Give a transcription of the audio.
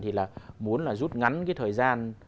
thì là muốn là rút ngắn cái thời gian